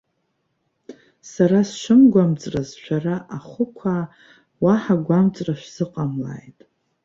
Сара сшымгәамҵрыз, шәара ахәықәаа уаҳа гәамҵра шәзыҟамлааит.